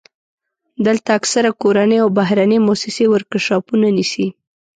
دلته اکثره کورنۍ او بهرنۍ موسسې ورکشاپونه نیسي.